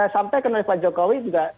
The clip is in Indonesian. sampai ke nilai pak jokowi juga